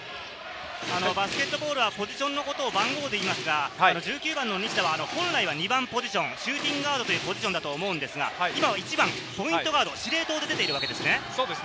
バスケットボールはポジションのことを番号で言いますが、１９番の西田は、本来は２番ポジション、シューティングガードというポジションだと思うんですが、今は１番ポイントガード、司令塔で出ているわけですね。